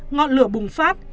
ngọn lửa bùng phát